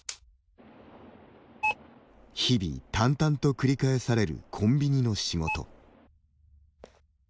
日々、淡々と繰り返されるコンビニの仕事。